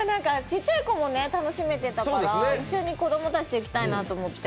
ちっちゃい子も楽しめてたから一緒に子供たちと行きたいなと思って。